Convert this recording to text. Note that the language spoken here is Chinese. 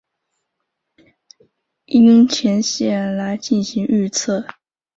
樱前线来进行预测。